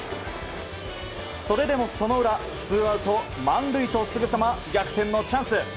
それでもその裏ツーアウト満塁とすぐさま逆転のチャンス。